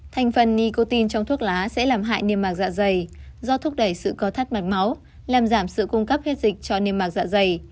thành phần nicotine trong thuốc lá sẽ làm hại niêm mạc dạ dày do thúc đẩy sự co thắt mặt máu làm giảm sự cung cấp hết dịch cho niêm mạc dạ dày